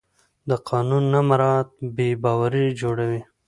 د قانون نه مراعت بې باوري جوړوي